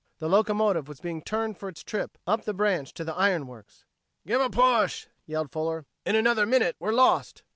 The locomotive was being turned for its trip up the branch to the iron works! "Give a push!" yelled Fuller. "In another minute we're lost."